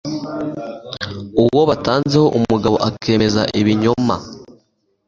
uwo batanzeho umugabo, akemeza ibinyoma